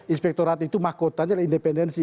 inspektorat itu mahkotanya independensi